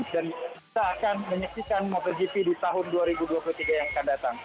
dan kita akan menyaksikan motogp di tahun dua ribu dua puluh tiga yang akan datang